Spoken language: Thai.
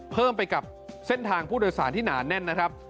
เพิ่มไปกับเส้นทางผู้โดยสารที่หนาแน่นนะครับ